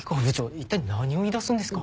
一体何を言い出すんですか？